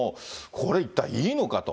これ一体いいのかと。